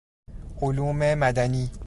علوم مدنی